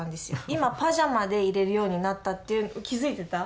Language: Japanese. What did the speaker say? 今パジャマでいれるようになったっていう気付いてた？